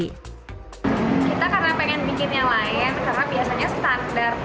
kita karena pengen bikin yang lain karena biasanya standar